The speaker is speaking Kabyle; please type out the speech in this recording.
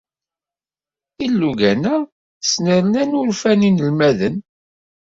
Ilugan-a snernan urfan n yinelmaden.